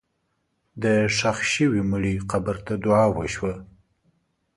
د ښخ شوي مړي قبر ته دعا وشوه.